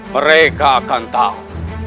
mereka akan tahu